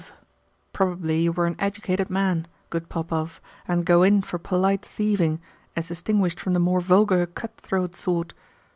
Probably you are an educated man, good Popov, and go in for polite thieving, as distinguished from the more vulgar cut throat sort.